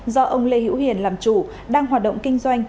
do ông lê hữu hiền làm chủ đang hoạt động kinh doanh